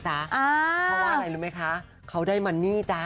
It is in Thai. เพราะว่าอะไรรู้ไหมคะเขาได้มานี่จ๊ะ